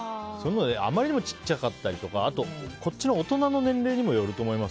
あまりにもちっちゃかったりとかあとは大人の年齢にもよると思います。